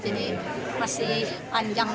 ini masih panjang